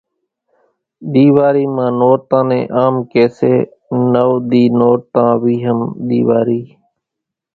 ۮيواري مان نورتان نين آم ڪي سي نوَ ۮي نورتان ويھم ۮيواري